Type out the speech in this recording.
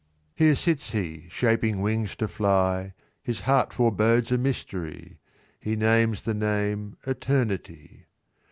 "Here sits he shaping wings to fly: His heart forebodes a mystery: He names the name Eternity.